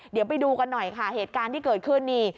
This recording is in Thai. เดี๋ยวไปดูกันหน่อยค่ะเหตุการณ์ที่เกิดขึ้นนี่